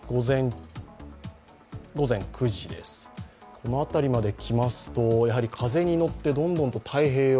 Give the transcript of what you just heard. この辺りまできますと風に乗ってどんどんと太平洋